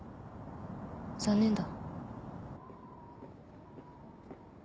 残念だ。